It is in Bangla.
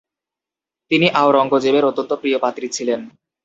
তিনি আওরঙ্গজেবের অত্যন্ত প্রিয় পাত্রী ছিলেন।